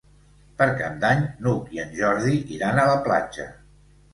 Per Cap d'Any n'Hug i en Jordi iran a la platja.